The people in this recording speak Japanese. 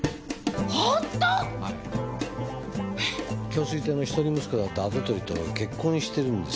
京粋亭の一人息子だった跡取りと結婚してるんですよ。